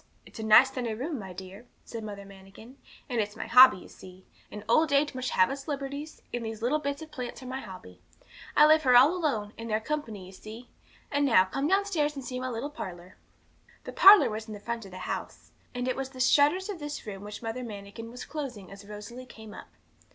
'It's a nice sunny room, my dear,' said Mother Manikin, 'and it's my hobby, you see; and old age must have its liberties, and these little bits of plants are my hobby. I live here all alone, and they're company, you see. And now, come downstairs and see my little parlour.' The parlour was in the front of the house, and it was the shutters of this room which Mother Manikin was closing as Rosalie came up.